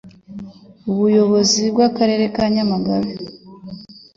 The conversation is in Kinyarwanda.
Umuyobozi w'Akarere ka Nyamagabe